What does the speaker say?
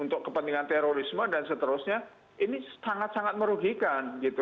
untuk kepentingan teroris dan seterusnya ini sangat sangat merugikan